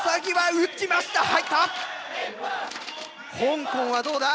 香港はどうだ？